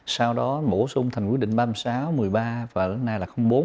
sau đó bổ sung thành quy định ba mươi sáu một mươi ba và đến nay là bốn